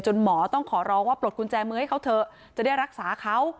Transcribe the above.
หมอต้องขอร้องว่าปลดกุญแจมือให้เขาเถอะจะได้รักษาเขา